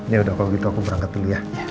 ya udah kalau gitu aku berangkat dulu ya